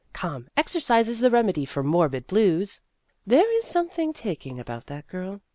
Come, exercise is the remedy for morbid blues." There is something taking about that girl.